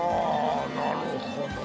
なるほど。